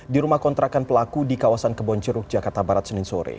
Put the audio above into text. di rumah kontrakan pelaku di kawasan kebonceruk jakarta barat senin sore